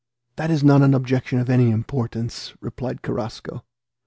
"That is not an objection of any importance," replied Carrasco.